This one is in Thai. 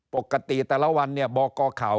ปกติแต่ละวันบอกก่อข่าว